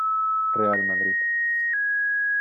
Real Madrid.